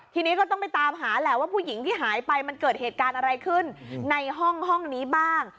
ทีนี้ก็ต้องไปตามหาแหละว่าผู้หญิงที่หายไปมันเกิดเหตุการณ์อะไรขึ้นในห้องนี้บ้าง